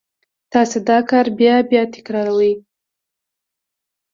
تاسې دا کار بیا بیا تکراروئ